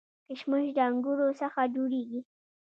کشمش د انګورو څخه جوړیږي